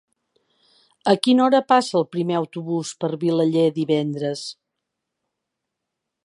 A quina hora passa el primer autobús per Vilaller divendres?